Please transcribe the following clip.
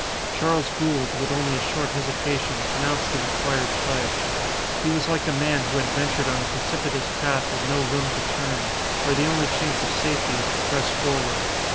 Charles Gould, with only a short hesitation, pronounced the required pledge. He was like a man who had ventured on a precipitous path with no room to turn, where the only chance of safety is to press forward.